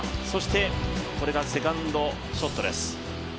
そしてこれがセカンドショットです。